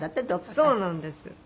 そうなんです。